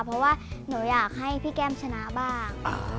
เพราะว่าหนูอยากให้พี่แก้มชนะบ้าง